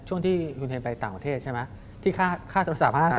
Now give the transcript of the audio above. ช่วงที่ยุนเทนไปต่างประเทศใช่ไหม